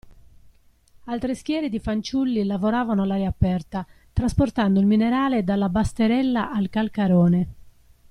Altre schiere di fanciulli lavoravano all'aria aperta trasportando il minerale dalla basterella al calcarone.